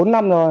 bốn năm rồi